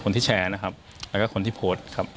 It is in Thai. แล้วก็คนที่โพสต์ครับ